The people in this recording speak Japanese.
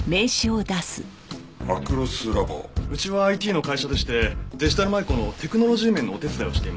うちはＩＴの会社でしてデジタル舞子のテクノロジー面のお手伝いをしています。